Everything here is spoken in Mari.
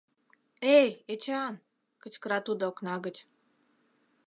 — Эй, Эчан! — кычкыра тудо окна гыч.